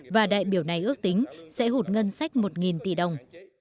và đại biểu này ước tính sẽ hụt ngân sách một tỷ đồng